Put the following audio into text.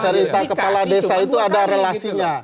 cerita kepala desa itu ada relasinya